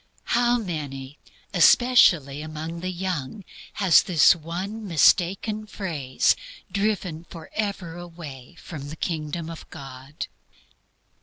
How many, especially among the young, has this one mistaken phrase driven forever away from the kingdom of God?